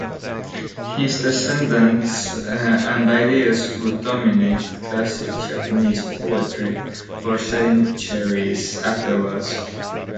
His descendants and ideas would dominate classical Japanese poetry for centuries afterwards.